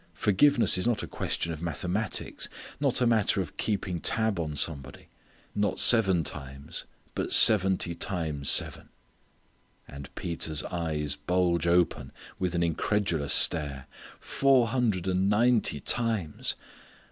Forgiveness is not a question of mathematics; not a matter of keeping tab on somebody: not seven times but seventy times seven." And Peter's eyes bulge open with an incredulous stare "four hundred and ninety times!...